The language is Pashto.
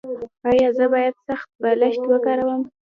ایا زه باید سخت بالښت وکاروم؟